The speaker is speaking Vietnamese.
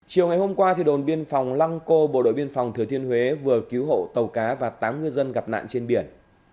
chiều ngày hôm qua đồn biên phòng lăng cô bộ đội biên phòng thừa thiên huế vừa cứu hộ tàu cá và tám ngư dân gặp nạn trên biển